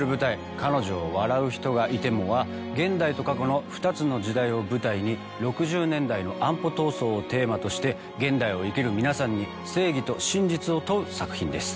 『彼女を笑う人がいても』は現代と過去の２つの時代を舞台に６０年代の安保闘争をテーマとして現代を生きる皆さんに正義と真実を問う作品です。